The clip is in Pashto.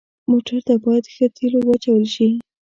موټر ته باید ښه تیلو واچول شي.